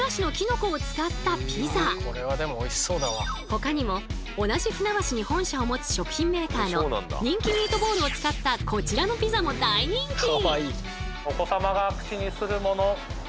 ほかにも同じ船橋に本社を持つ食品メーカーの人気ミートボールを使ったこちらのピザも大人気！